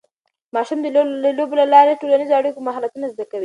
ماشومان د لوبو له لارې د ټولنیزو اړیکو مهارتونه زده کوي.